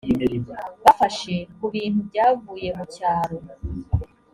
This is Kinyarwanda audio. bafashe ku bintu byavuye mu cyaro